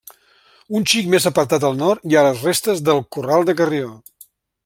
Un xic més apartat al nord hi ha les restes del Corral de Carrió.